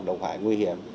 động hải nguy hiểm